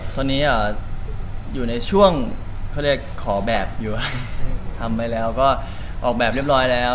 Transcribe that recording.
ตอนนี้อยู่ในช่วงเขาเรียกขอแบบอยู่ออกแบบเรียบร้อยแล้ว